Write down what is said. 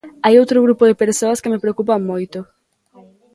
Hai outro grupo de persoas que me preocupan moito.